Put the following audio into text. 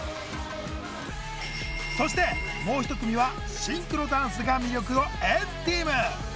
そしてもう一組はシンクロダンスが魅力の＆ＴＥＡＭ！